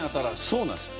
そうなんですよ。